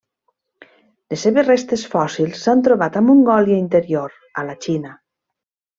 Les seves restes fòssils s'han trobat a Mongòlia Interior, a la Xina.